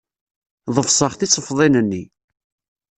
Ḍefseɣ tisefḍin-nni.